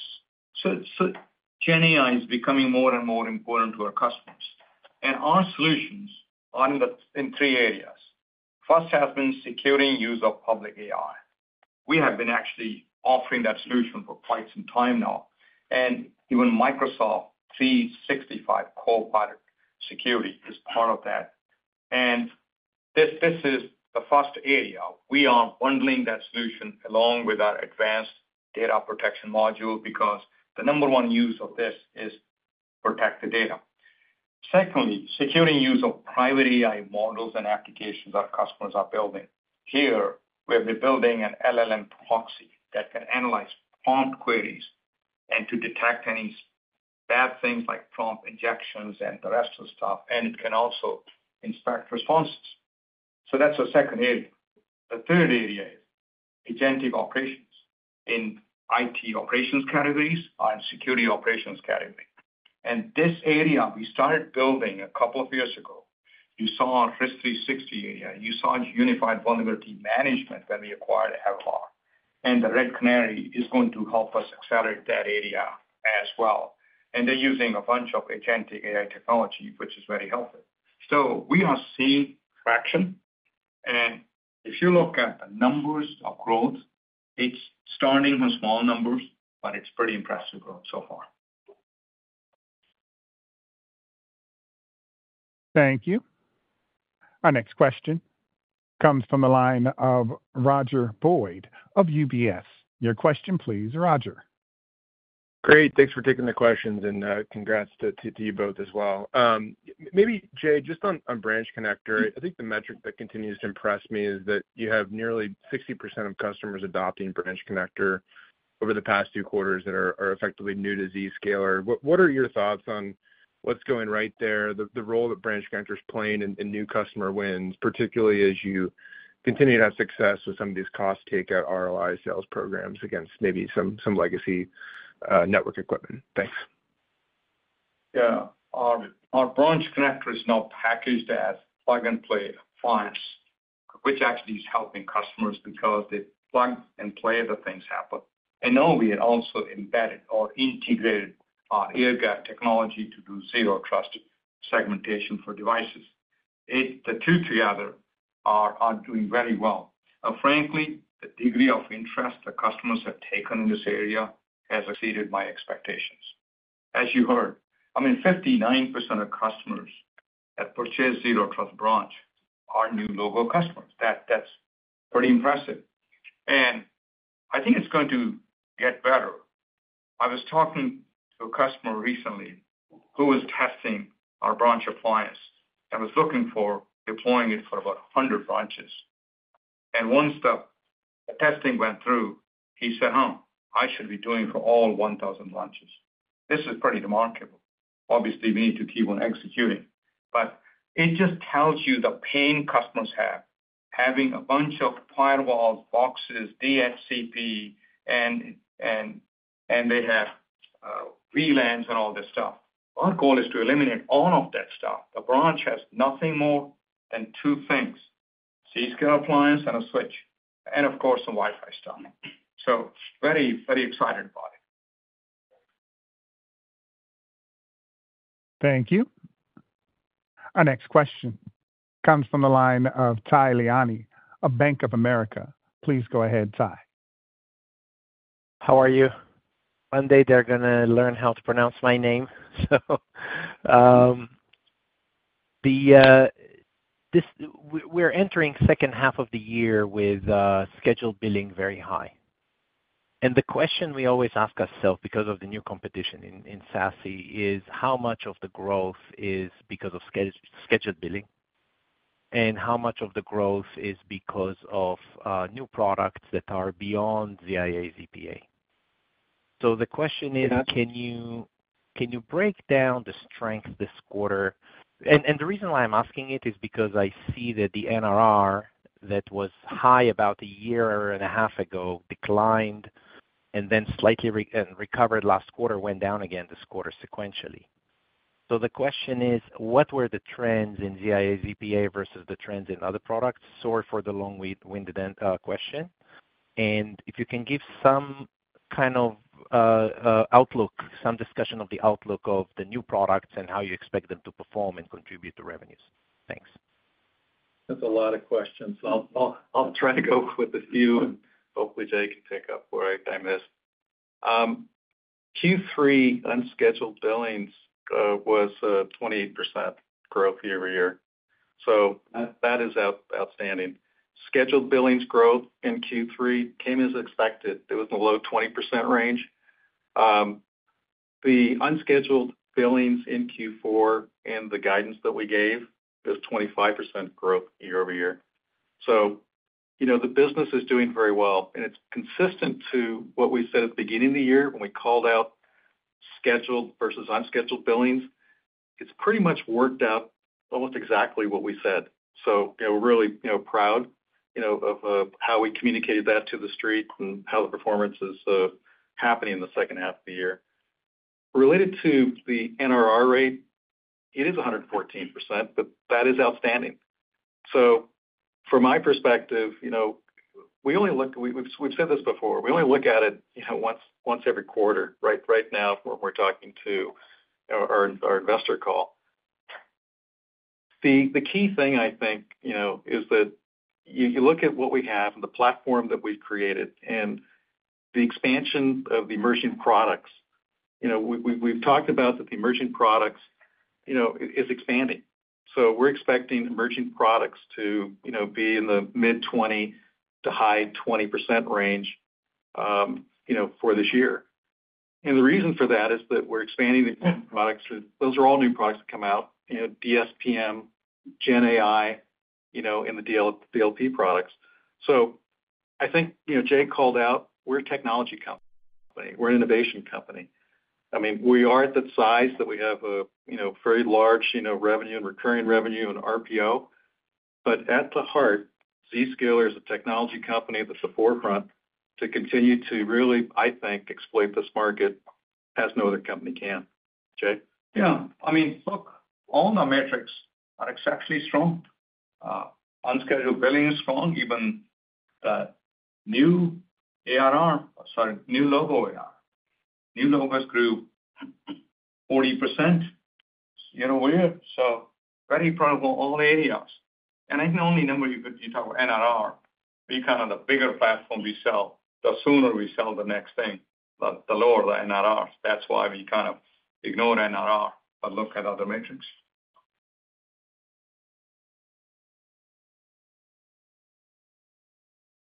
Gen AI is becoming more and more important to our customers. Our solutions are in three areas. First has been securing use of public AI. We have been actually offering that solution for quite some time now. Even Microsoft 365 Copilot security is part of that. This is the first area. We are bundling that solution along with our advanced data protection module because the number one use of this is protect the data. Secondly, securing use of private AI models and applications our customers are building. Here, we're building an LLM proxy that can analyze prompt queries and to detect any bad things like prompt injections and the rest of the stuff. It can also inspect responses. That is the second area. The third area is agentic operations in IT operations categories and security operations category. This area, we started building a couple of years ago. You saw our Risk 360 area. You saw Unified Vulnerability Management when we acquired Avalor. The Red Canary is going to help us accelerate that area as well. They are using a bunch of agentic AI technology, which is very helpful. We are seeing traction. If you look at the numbers of growth, it's starting from small numbers, but it's pretty impressive growth so far. Thank you. Our next question comes from the line of Roger Boyd of UBS. Your question, please, Roger. Great. Thanks for taking the questions. And congrats to you both as well. Maybe, Jay, just on Branch Connector, I think the metric that continues to impress me is that you have nearly 60% of customers adopting Branch Connector over the past two quarters that are effectively new to Zscaler. What are your thoughts on what's going right there, the role that Branch Connector is playing in new customer wins, particularly as you continue to have success with some of these cost takeout ROI sales programs against maybe some legacy network equipment? Thanks. Yeah. Our Branch Connector is now packaged as a plug-and-play appliance, which actually is helping customers because the plug-and-play of the things happen. Now we have also embedded or integrated our air gap technology to do Zero Trust segmentation for devices. The two together are doing very well. Frankly, the degree of interest the customers have taken in this area has exceeded my expectations. As you heard, I mean, 59% of customers that purchase Zero Trust Branch are new logo customers. That's pretty impressive. I think it's going to get better. I was talking to a customer recently who was testing our branch appliance and was looking for deploying it for about 100 branches. Once the testing went through, he said, "Huh, I should be doing for all 1,000 branches." This is pretty remarkable. Obviously, we need to keep on executing. It just tells you the pain customers have having a bunch of firewalls, boxes, DHCP, and they have VLANs and all this stuff. Our goal is to eliminate all of that stuff. The branch has nothing more than two things: Zscaler appliance and a switch. And of course, some Wi-Fi stuff. Very, very excited about it. Thank you. Our next question comes from the line of Tal Liani, of Bank of America. Please go ahead, Tal. How are you? One day they're going to learn how to pronounce my name. We're entering the second half of the year with scheduled billing very high. The question we always ask ourselves because of the new competition in SASE is how much of the growth is because of scheduled billing and how much of the growth is because of new products that are beyond ZIA ZPA. The question is, can you break down the strength this quarter? The reason why I'm asking it is because I see that the NRR that was high about a year and a half ago declined and then slightly recovered last quarter, went down again this quarter sequentially. The question is, what were the trends in ZIA, ZPA versus the trends in other products? Sorry for the long-winded question. If you can give some kind of outlook, some discussion of the outlook of the new products and how you expect them to perform and contribute to revenues. Thanks. That's a lot of questions. I'll try to go with a few, and hopefully Jay can pick up where I missed. Q3 unscheduled billings was 28% growth year-over-year. That is outstanding. Scheduled billings growth in Q3 came as expected. It was in the low 20% range. The unscheduled billings in Q4 and the guidance that we gave is 25% growth year-over-year. The business is doing very well. It is consistent to what we said at the beginning of the year when we called out scheduled versus unscheduled billings. It has pretty much worked out almost exactly what we said. We are really proud of how we communicated that to the street and how the performance is happening in the second half of the year. Related to the NRR rate, it is 114%, but that is outstanding. From my perspective, we only look—we have said this before—we only look at it once every quarter, right now when we are talking to our investor call. The key thing, I think, is that you look at what we have and the platform that we have created and the expansion of the emerging products. We've talked about that the emerging products is expanding. We're expecting emerging products to be in the mid-20% to high 20% range for this year. The reason for that is that we're expanding the products. Those are all new products that come out: DSPM, Gen AI, and the DLP products. I think Jay called out, we're a technology company. We're an innovation company. I mean, we are at that size that we have a very large revenue and recurring revenue and RPO. At the heart, Zscaler is a technology company that's the forefront to continue to really, I think, exploit this market as no other company can. Jay? Yeah. I mean, look, all the metrics are exceptionally strong. Unscheduled billing is strong. Even new ARR—sorry, new logo ARR. New logo has grew 40%. Very probable all areas. I can only remember you talk about NRR. We kind of the bigger platform we sell, the sooner we sell the next thing, the lower the NRR. That is why we kind of ignore NRR but look at other metrics.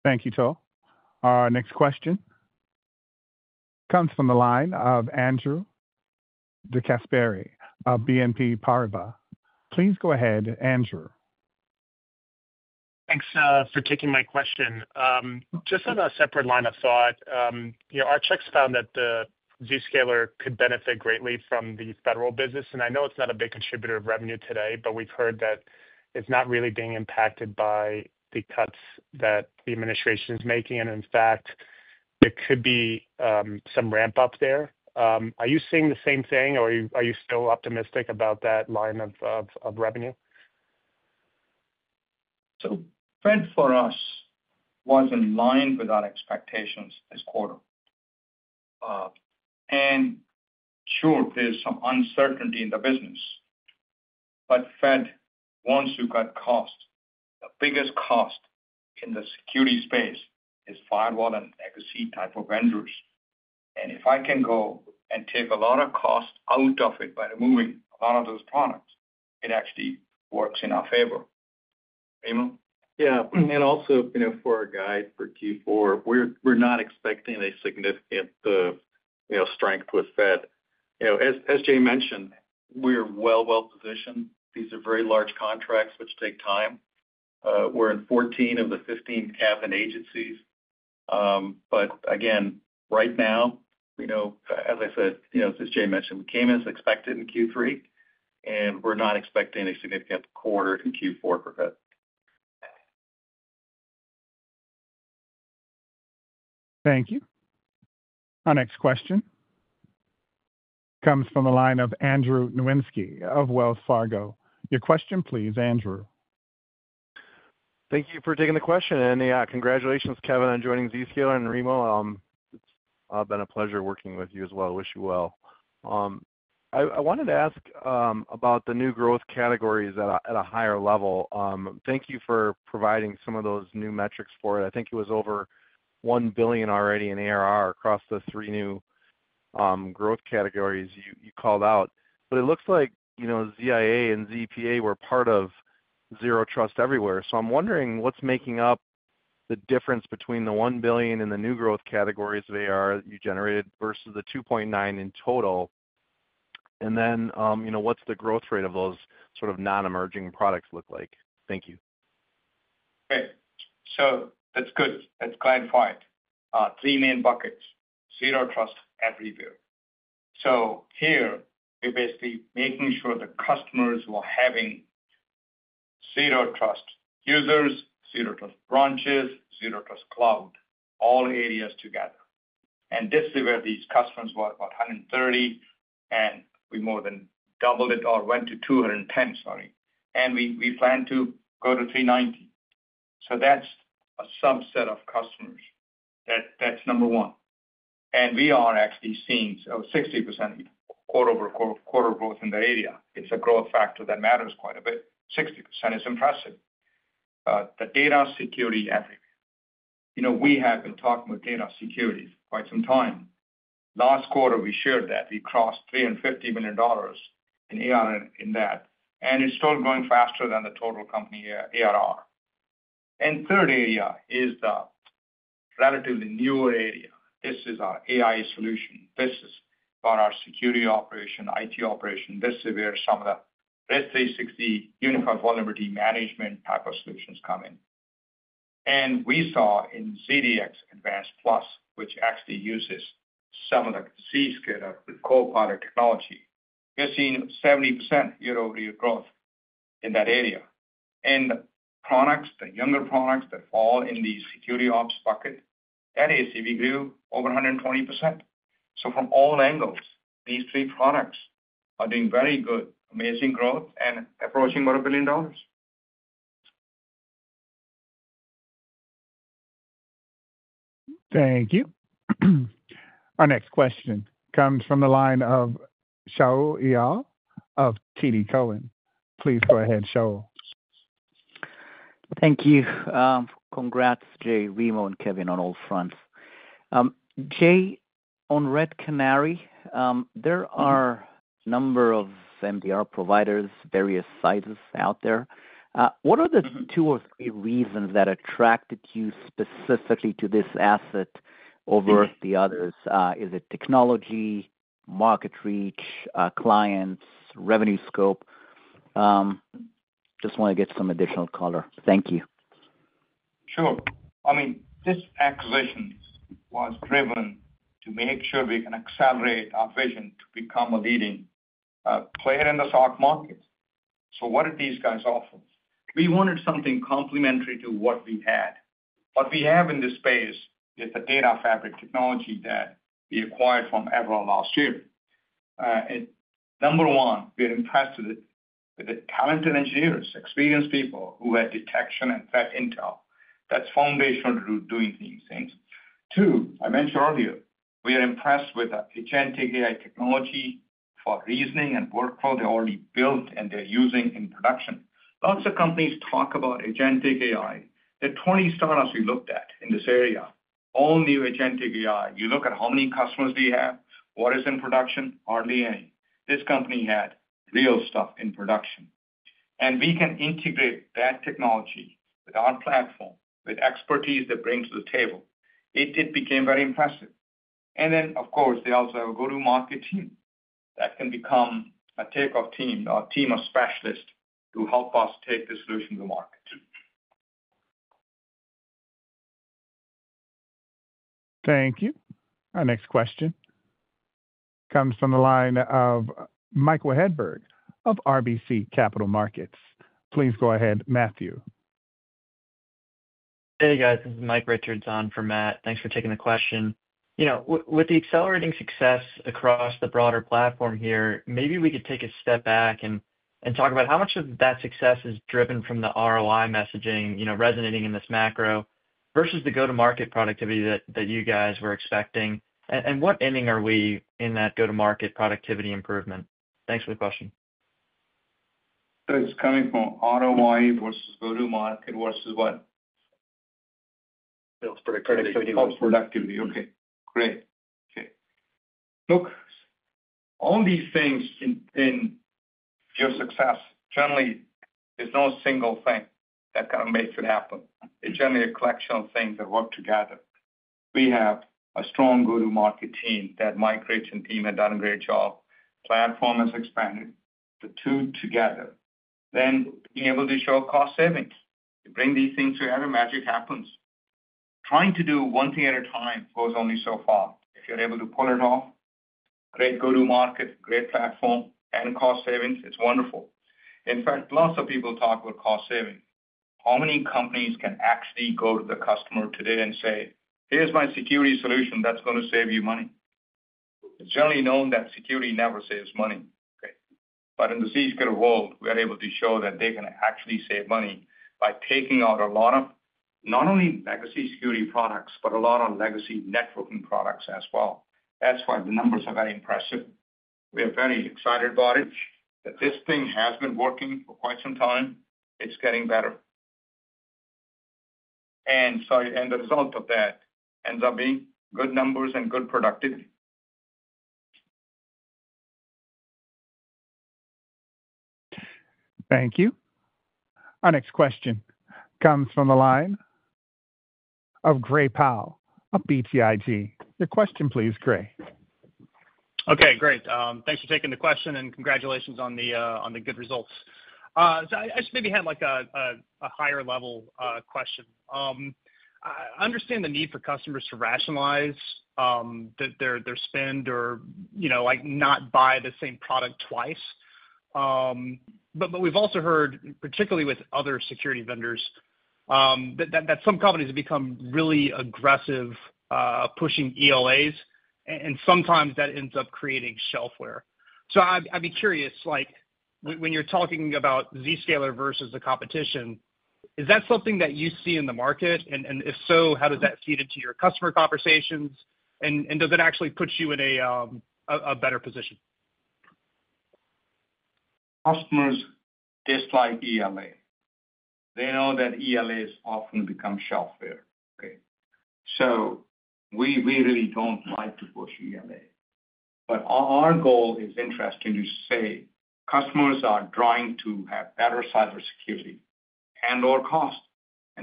Thank you. Our next question comes from the line of Andrew Dezgasperi, of BNP Paribas. Please go ahead, Andrew. Thanks for taking my question. Just on a separate line of thought, our checks found that Zscaler could benefit greatly from the Federal business. I know it is not a big contributor of revenue today, but we have heard that it is not really being impacted by the cuts that the administration is making. In fact, there could be some ramp-up there. Are you seeing the same thing, or are you still optimistic about that line of revenue? Fed for us was in line with our expectations this quarter. Sure, there's some uncertainty in the business. Fed, once you cut costs, the biggest cost in the security space is firewall and legacy type of vendors. If I can go and take a lot of costs out of it by removing a lot of those products, it actually works in our favor. Remo? Yeah. Also, for our guide for Q4, we're not expecting a significant strength with Fed. As Jay mentioned, we're well-positioned. These are very large contracts, which take time. We're in 14 of the 15 cabinet agencies. Again, right now, as I said, as Jay mentioned, we came in as expected in Q3, and we're not expecting a significant quarter in Q4 for Fed. Thank you. Our next question comes from the line of Andrew Nowinski of Wells Fargo. Your question, please, Andrew. Thank you for taking the question. Yeah, congratulations, Kevin, on joining Zscaler and Remo. It's been a pleasure working with you as well. I wish you well. I wanted to ask about the new growth categories at a higher level. Thank you for providing some of those new metrics for it. I think it was over $1 billion already in ARR across the three new growth categories you called out. It looks like ZIA and ZPA were part of Zero Trust Everywhere. I'm wondering what's making up the difference between the $1 billion and the new growth categories of ARR that you generated versus the $2.9 billion in total. What does the growth rate of those sort of non-emerging products look like? Thank you. Okay. That's good. That's glad to find. Three main buckets: Zero Trust Everywhere. Here, we're basically making sure the customers who are having Zero Trust users, Zero Trust branches, Zero Trust cloud, all areas together. This is where these customers were about 130, and we more than doubled it or went to 210, sorry. We plan to go to 390. That's a subset of customers. That's number one. We are actually seeing 60% quarter-over-quarter growth in the area. It's a growth factor that matters quite a bit. 60% is impressive. The data security everywhere. We have been talking about data security for quite some time. Last quarter, we shared that we crossed $350 million in ARR in that. It's still going faster than the total company ARR. Third area is the relatively newer area. This is our AI solution. This is for our security operation, IT operation. This is where some of the Risk 360 Unified Vulnerability Management type of solutions come in. We saw in ZDX Advanced Plus, which actually uses some of the Zscaler Copilot technology, we're seeing 70% year-over-year growth in that area. The products, the younger products that fall in the security ops bucket, that ACV grew over 120%. From all angles, these three products are doing very good, amazing growth, and approaching more than a billion dollars. Thank you. Our next question comes from the line of Shaul Eyal of TD Cowen. Please go ahead, Shaul. Thank you. Congrats, Jay, Remo, and Kevin on all fronts. Jay, on Red Canary, there are a number of MDR providers, various sizes out there. What are the two or three reasons that attracted you specifically to this asset over the others? Is it technology, market reach, clients, revenue scope? Just want to get some additional color. Thank you. Sure. I mean, this acquisition was driven to make sure we can accelerate our vision to become a leading player in the stock market. What did these guys offer? We wanted something complementary to what we had. What we have in this space is the data fabric technology that we acquired from Avalor last year. Number one, we're impressed with the talented engineers, experienced people who had detection and threat intel. That's foundational to doing these things. Two, I mentioned earlier, we are impressed with the agentic AI technology for reasoning and workflow they already built and they're using in production. Lots of companies talk about agentic AI. There are 20 startups we looked at in this area. All new agentic AI. You look at how many customers do you have? What is in production? Hardly any. This company had real stuff in production. We can integrate that technology with our platform, with expertise they bring to the table. It became very impressive. They also have a go-to-market team that can become a takeoff team or a team of specialists to help us take the solution to the market. Thank you. Our next question comes from the line of Matthew Hedberg of RBC Capital Markets. Please go ahead, Matthew. Hey, guys. This is Mike Richardson from Matt. Thanks for taking the question. With the accelerating success across the broader platform here, maybe we could take a step back and talk about how much of that success is driven from the ROI messaging resonating in this macro versus the go-to-market productivity that you guys were expecting. What ending are we in that go-to-market productivity improvement? Thanks for the question. It's coming from ROI versus go-to-market versus what? Productivity. Productivity. Okay. Great. Okay. Look, all these things in your success, generally, there's no single thing that kind of makes it happen. It's generally a collection of things that work together. We have a strong go-to-market team that Mike Rich and team have done a great job. Platform has expanded. The two together. Then being able to show cost savings. You bring these things together, magic happens. Trying to do one thing at a time goes only so far. If you're able to pull it off, great go-to-market, great platform, and cost savings, it's wonderful. In fact, lots of people talk about cost saving. How many companies can actually go to the customer today and say, "Here's my security solution that's going to save you money"? It's generally known that security never saves money. In the Zscaler world, we are able to show that they can actually save money by taking out a lot of not only legacy security products, but a lot of legacy networking products as well. That is why the numbers are very impressive. We are very excited about it. This thing has been working for quite some time. It is getting better. The result of that ends up being good numbers and good productivity. Thank you. Our next question comes from the line of Gray Powell of BTIG. Your question, please, Gray. Okay. Great. Thanks for taking the question, and congratulations on the good results. I just maybe had a higher-level question. I understand the need for customers to rationalize their spend or not buy the same product twice. We've also heard, particularly with other security vendors, that some companies have become really aggressive pushing ELAs, and sometimes that ends up creating shelfware. I'd be curious, when you're talking about Zscaler versus the competition, is that something that you see in the market? If so, how does that feed into your customer conversations? Does it actually put you in a better position? Customers dislike ELA. They know that ELAs often become shelfware. Okay? We really don't like to push ELA. Our goal is interesting to say customers are trying to have better cybersecurity and/or cost.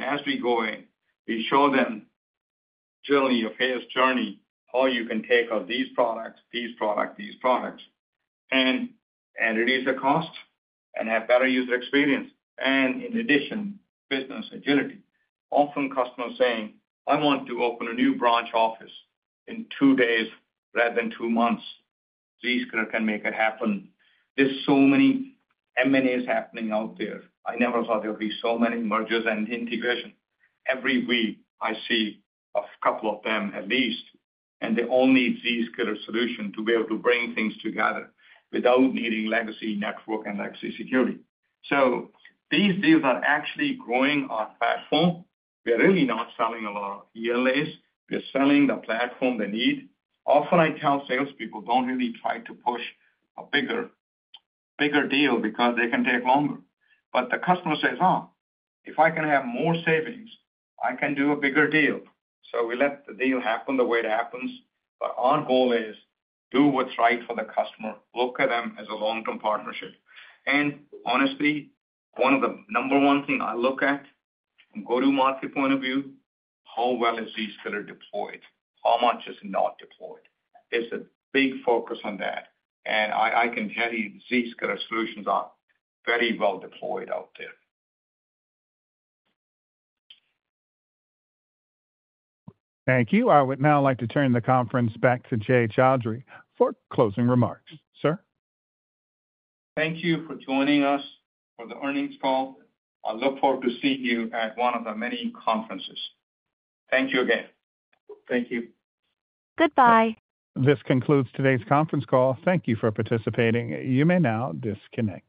As we go in, we show them generally your failed journey, how you can take these products, these products, these products, and reduce the cost and have better user experience. In addition, business agility. Often customers say, "I want to open a new branch office in two days rather than two months." Zscaler can make it happen. There are so many M&As happening out there. I never thought there would be so many mergers and integrations. Every week, I see a couple of them at least. They all need Zscaler solution to be able to bring things together without needing legacy network and legacy security. These deals are actually growing our platform. We're really not selling a lot of ELAs. We're selling the platform they need. Often I tell salespeople, "Don't really try to push a bigger deal because they can take longer." The customer says, "Oh, if I can have more savings, I can do a bigger deal." We let the deal happen the way it happens. Our goal is do what's right for the customer. Look at them as a long-term partnership. Honestly, one of the number one things I look at from a go-to-market point of view is how well is Zscaler deployed, how much is not deployed. It is a big focus on that. I can tell you Zscaler solutions are very well deployed out there. Thank you. I would now like to turn the conference back to Jay Chaudhry for closing remarks. Sir? Thank you for joining us for the earnings call. I look forward to seeing you at one of the many conferences. Thank you again. Thank you. Goodbye. This concludes today's conference call. Thank you for participating. You may now disconnect.